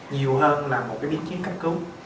nhiều hơn là một cái biến chiến cách cứu